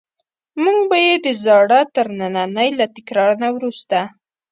موږ به یې د زاړه ترننی له تکرار نه وروسته.